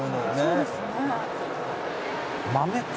「そうですね」